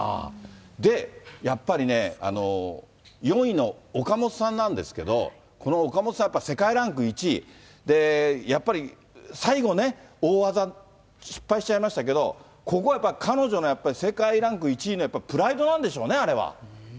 で、やっぱりね、４位の岡本さんなんですけれども、この岡本さん、やっぱり世界ランク１位。やっぱり最後ね、大技失敗しちゃいましたけど、ここはやっぱり、彼女のやっぱり世界ランク１位のプライドなんでしょうね、あれは。